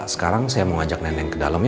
sekarang saya mau ngajak neneng ke dalam ya